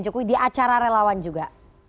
dan ini acara relawan juga